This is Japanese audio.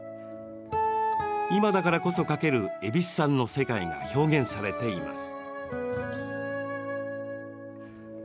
今だからこそ描ける蛭子さんの世界が表現されています。